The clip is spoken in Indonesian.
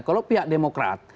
kalau pihak demokrat